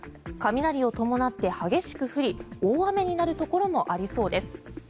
雷を伴って激しく降り大雨になるところもありそうです。